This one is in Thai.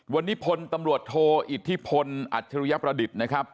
วันนี้พลตำรวจโทอิทธิพลอัจฉริยประดิษฐ์นะครับ